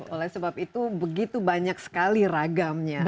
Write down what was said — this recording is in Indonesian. oleh sebab itu begitu banyak sekali ragamnya